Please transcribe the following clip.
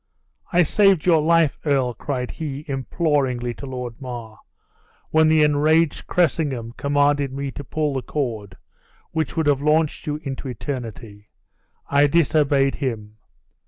I saved your life, earl!" cried he, imploringly, to Lord Mar; "when the enraged Cressingham commanded me to pull the cord which would have launched you into eternity. I disobeyed him!